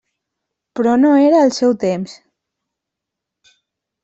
Però no era el seu temps.